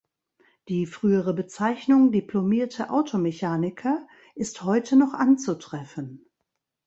Die frühere Bezeichnung diplomierte Automechaniker ist heute noch anzutreffen.